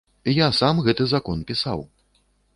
Я сам гэты закон пісаў.